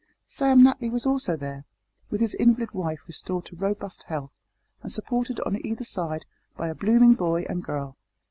Sam Natly was also there, with his invalid wife restored to robust health, and supported on either side by a blooming boy and girl.